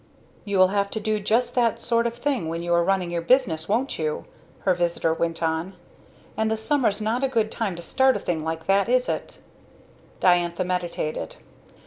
"You'll have to do just that sort of thing when you are running your business, won't you?" her visitor went on. "And the summer's not a good time to start a thing like that, is it?" Diantha meditated.